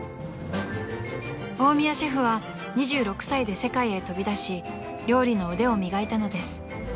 ［大宮シェフは２６歳で世界へ飛び出し料理の腕を磨いたのです］